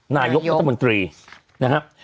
นายกรัฐมนตรีนะครับ